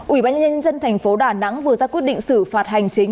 ủy ban nhân dân tp đà nẵng vừa ra quyết định xử phạt hành chính